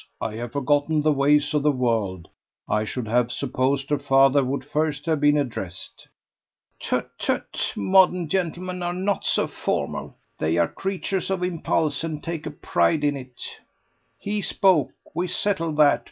I have forgotten the ways of the world. I should have supposed her father would first have been addressed." "Tut tut. Modern gentlemen are not so formal; they are creatures of impulse and take a pride in it. He spoke. We settle that.